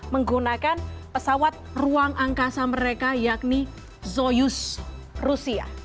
menggunakan pesawat ruang angkasa mereka yakni zoyus rusia